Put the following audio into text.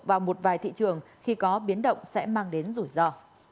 vào một vài thị trường khi có biến động sẽ mang đến rủi ro